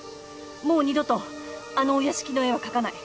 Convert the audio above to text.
もう二度とあのお屋敷の絵は描かない。